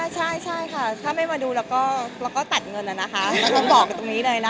ใช่ถ้าไม่มาดูเราก็ตัดเงินเหมือนกับตรงนี้เลย